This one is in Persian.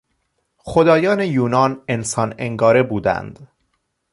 خدایان یونان انسان انگاره بودند.